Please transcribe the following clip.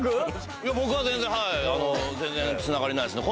いや僕は全然はい全然繋がりないですね